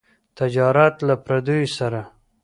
تجارت له پرديو سره.